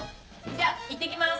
じゃいってきます。